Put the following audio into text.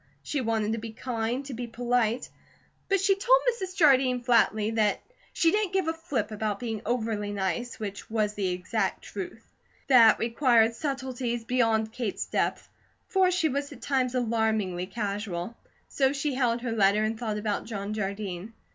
She wanted to be kind, to be polite, but she told Mrs. Jardine flatly the "she didn't give a flip about being overly nice," which was the exact truth. That required subtleties beyond Kate's depth, for she was at times alarmingly casual. So she held her letter and thought about John Jardine.